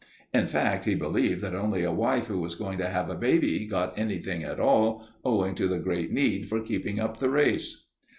In fact, he believed that only a wife who was going to have a baby got anything at all, owing to the great need for keeping up the race.